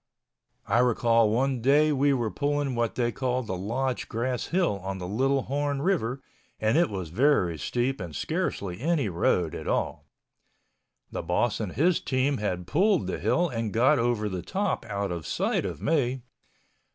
I recall one day we were pulling what they called the Lodge Grass Hill on the Little Horn River and it was very steep and scarcely any road at all. The boss and his team had pulled the hill and got over the top out of sight of me.